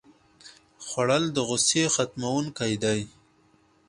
خوړل د غوسې ختموونکی دی